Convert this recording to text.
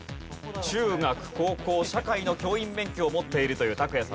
中学・高校社会の教員免許を持っているという卓也さんです。